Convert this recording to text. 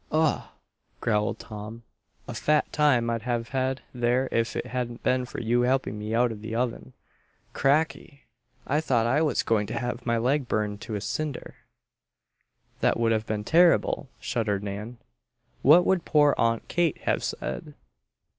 "Ugh!" growled Tom. "A fat time I'd have had there if it hadn't been for you helping me out of the oven. Cracky! I thought I was going to have my leg burned to a cinder. "That would have been terrible!" shuddered Nan. "What would poor Aunt Kate have said?"